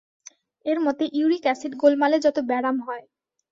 এঁর মতে ইউরিক এসিড-গোলমালে যত ব্যারাম হয়।